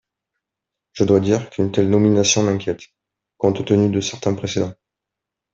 Je dois dire qu’une telle nomination m’inquiète, compte tenu de certains précédents.